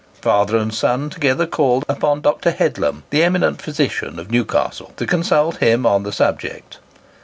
Father and son together called upon Dr. Headlam, the eminent physician of Newcastle, to consult him on the subject.